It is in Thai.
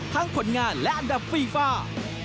ทั้งคนงานและอันดับฟีฟ้า